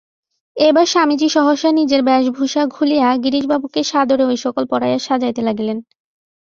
এইবার স্বামীজী সহসা নিজের বেশভূষা খুলিয়া গিরিশবাবুকে সাদরে ঐ সকল পরাইয়া সাজাইতে লাগিলেন।